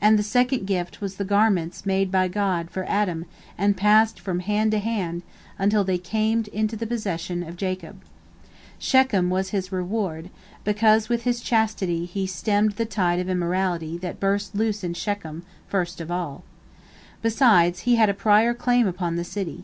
And the second gift was the garments made by God for Adam and passed from hand to hand, until they came into the possession of Jacob. Shechem was his reward, because, with his chastity, he stemmed the tide of immorality that burst loose in Shechem first of all. Besides, he had a prior claim upon the city.